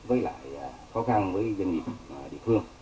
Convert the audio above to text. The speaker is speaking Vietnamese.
với lại khó khăn với doanh nghiệp địa phương